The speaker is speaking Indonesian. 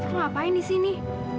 kamu ngapain di sini